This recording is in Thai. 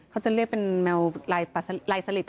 เขาจะเรียกเป็นแมวลายสลิด